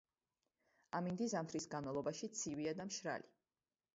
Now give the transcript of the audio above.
ამინდი ზამთრის განმავლობაში ცივია და მშრალი.